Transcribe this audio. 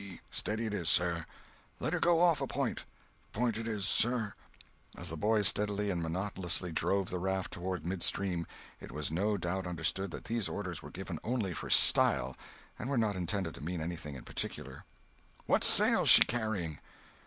"Steady it is, sir!" "Let her go off a point!" "Point it is, sir!" As the boys steadily and monotonously drove the raft toward mid stream it was no doubt understood that these orders were given only for "style," and were not intended to mean anything in particular. "What sail's she carrying?"